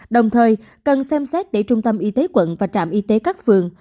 đồng thời cần xem xét để trung tâm y tế quận và trạm y tế các phường